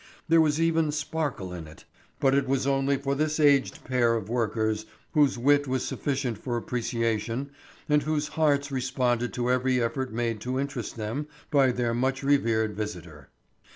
There was even sparkle in it, but it was only for this aged pair of workers, whose wit was sufficient for appreciation, and whose hearts responded to every effort made to interest them by their much revered visitor.